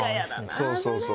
そうそうそう。